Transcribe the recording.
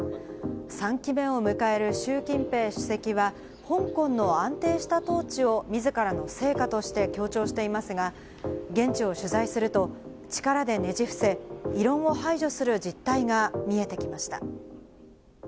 ３期目を迎える習近平主席は、香港の安定した統治をみずからの成果として強調していますが、現地を取材すると、力でねじ伏せ、異論を排除する実態が見えてきました。